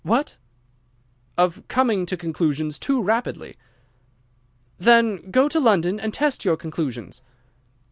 "What!" "Of coming to conclusions too rapidly." "Then go to London and test your conclusions."